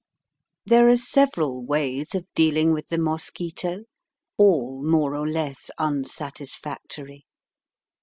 There are several ways of dealing with the mosquito, all more or less unsatisfactory.